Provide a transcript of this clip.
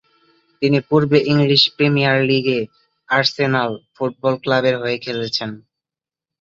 তিনি পূর্বে English Premier লীগে আর্সেনাল ফুটবল ক্লাবের হয়ে খেলছেন।